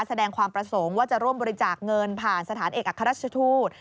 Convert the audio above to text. แสดงความประสงค์ว่าจะร่วมบริจาคเงินผ่านสถานเอกอัครราชทูต